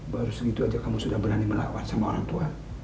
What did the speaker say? baru begitu saja kamu sudah berani melawan orang tua